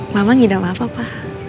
mama tidak apa apa